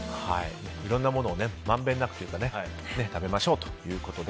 いろいろなものをまんべんなく食べましょうと。